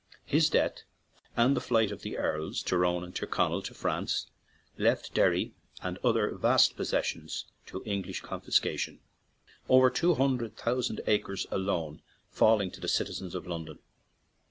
His death, and the " flight of the earls " Tyrone and Tyrconnell to France, 5 ON AN IRISH JAUNTING CAR left Derry and other vast possessions to English confiscation, over two hundred thousand acres alone falling to the citizens of London.